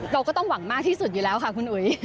เราก็ต้องหวังมากที่สุดอยู่แล้วค่ะคุณอุ๋ย